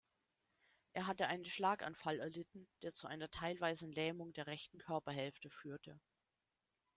Er hatte einen Schlaganfall erlitten, der zu einer teilweisen Lähmung der rechten Körperhälfte führte.